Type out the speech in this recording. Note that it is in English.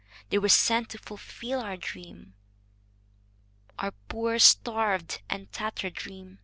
"They were sent to fulfil our dream." "Our poor starved and tattered dream!"